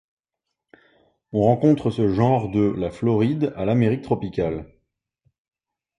On rencontre ce genre de la Floride à l'Amérique tropicale.